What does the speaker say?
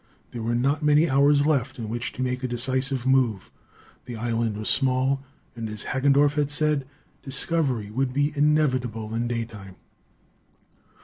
There were not many hours left in which to make a decisive move. The island was small, and, as Hagendorff had said, discovery would be inevitable in daytime.